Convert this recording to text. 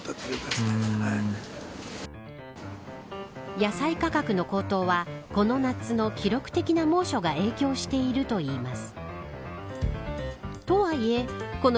野菜価格の高騰はこの夏の記録的な猛暑が影響しているといいます。